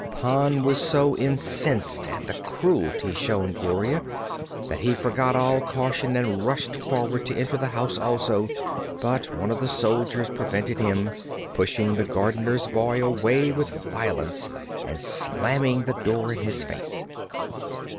Pon was so incensed at the cruelty shown Gloria that he forgot all caution and rushed forward to enter the house also; but one of the soldiers prevented him, pushing the gardener's boy away with violence and slamming the door in his face.